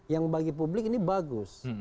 yang bagi publik ini bagus